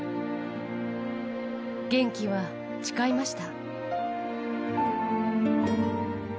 玄暉は誓いました。